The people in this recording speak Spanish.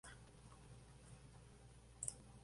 Es miembro del Consejo Consultivo del Banco de Portugal.